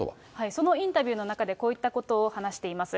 そのインタビューの中で、こういったことを話しています。